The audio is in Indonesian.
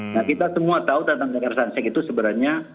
nah kita semua tahu tentang kekerasan seks itu sebenarnya